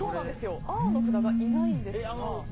青の札がいないんですが。